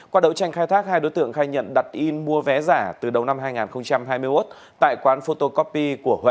qua đấu tranh khai thác hai đối tượng khai nhận đặt in mua vé giả từ đầu năm hai nghìn hai mươi một tại quán photocopy của hua